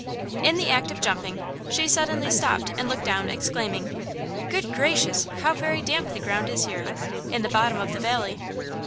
In the act of jumping she suddenly stopped and looked down, exclaiming: "Good gracious! how very damp the ground is here, in the bottom of the valley!"